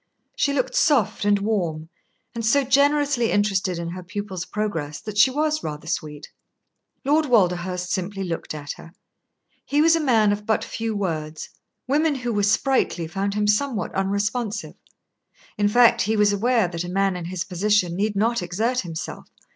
She looked soft and warm, and so generously interested in her pupil's progress that she was rather sweet. Lord Walderhurst simply looked at her. He was a man of but few words. Women who were sprightly found him somewhat unresponsive. In fact, he was aware that a man in his position need not exert himself.